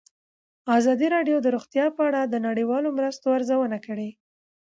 ازادي راډیو د روغتیا په اړه د نړیوالو مرستو ارزونه کړې.